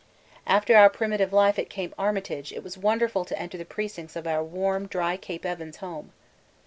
After our primitive life at Cape Armitage it was wonderful to enter the precincts of our warm, dry Cape Evans home.